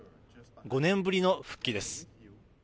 ５年ぶりの復帰です。